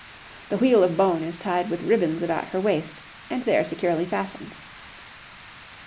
The wheel of bone is tied with ribbons about her waist, and there securely fastened.